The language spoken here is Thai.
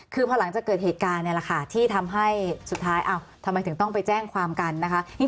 คือพอหลังจะเกิดเหตุการณ์ที่ทำให้สุดท้ายทำไมถึงต้องไปแจ้งความกันนะคะ